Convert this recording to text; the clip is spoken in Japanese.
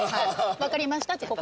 分かりましたって。